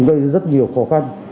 gây rất nhiều khó khăn